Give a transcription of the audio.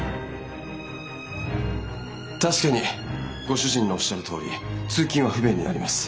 確かにご主人のおっしゃるとおり通勤は不便になります。